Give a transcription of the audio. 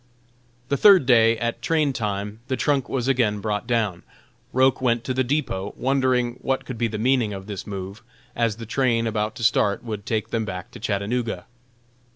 The third day, at train time, the trunk was again brought down. Roch went to the depot, wondering what could be the meaning of this move, as the train about to start would take them back to Chattanooga.